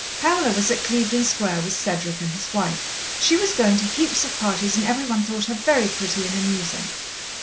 Pamela was at Clevedon Square with Cedric and his wife. She was going to heaps of parties, and every one thought her very pretty and amusing.